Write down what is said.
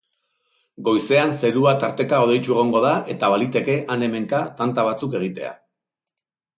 Goizean zerua tarteka hodeitsu egongo da eta baliteke han-hemenka tanta batzuk egitea.